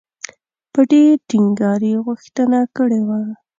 په ډېر ټینګار یې غوښتنه کړې وه.